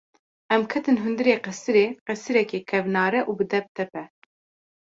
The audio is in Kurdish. Em ketin hundirê qesirê; qesirekê kevnare û bi depdepe.